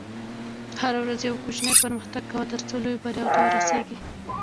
هره ورځ یو کوچنی پرمختګ کوه، ترڅو لویو بریاوو ته ورسېږې.